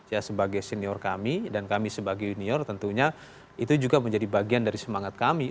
ya sebagai senior kami dan kami sebagai junior tentunya itu juga menjadi bagian dari semangat kami